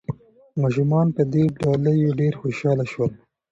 ماشومان په دې ډالیو ډېر خوشاله شول.